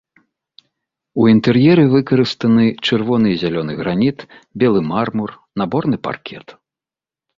У інтэр'еры выкарыстаны чырвоны і зялёны граніт, белы мармур, наборны паркет.